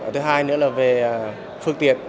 thứ hai nữa là về phương tiện